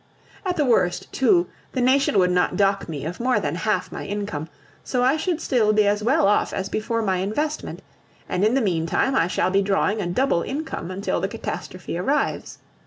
At the worst, too, the nation would not dock me of more than half my income, so I should still be as well off as before my investment, and in the meantime I shall be drawing a double income until the catastrophe arrives.